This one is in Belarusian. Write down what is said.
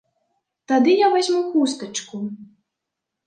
Тады я вазьму хустачку!